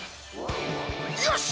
よし！